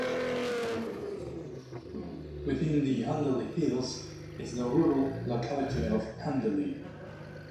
Within the Hundalee Hills is the rural locality of Hundalee.